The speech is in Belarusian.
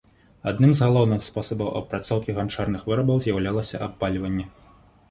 Адным з галоўных спосабаў апрацоўкі ганчарных вырабаў з'яўлялася абпальванне.